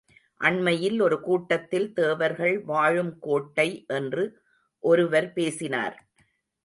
அண்மையில் ஒரு கூட்டத்தில் தேவர்கள் வாழும் கோட்டை என்று ஒருவர் பேசினார்!